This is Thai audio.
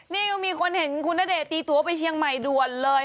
นี่ก็มีคนเห็นคุณณเดชนตีตัวไปเชียงใหม่ด่วนเลย